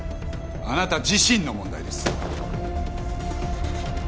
あなた自身の問題です。